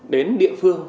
đến địa phương